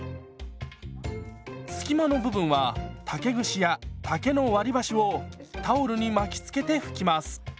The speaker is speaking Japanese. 隙間の部分は竹串や竹の割り箸をタオルに巻きつけて拭きます。